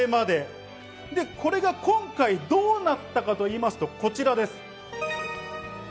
で、これが今回どうなったかというと、こちらです。